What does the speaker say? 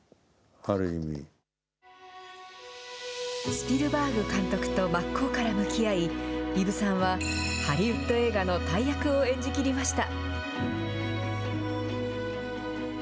スピルバーグ監督と真っ向から向き合い、伊武さんはハリウッド映画の大役を演じきりました。